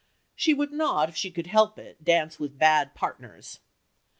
She would not, if she could help it, dance with bad partners.